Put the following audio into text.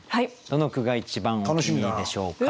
どの句が一番お気に入りでしょうか。